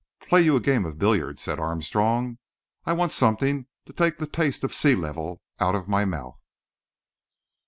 "Play you a game of billiards," said Armstrong. "I want something to take the taste of the sea level out of my mouth."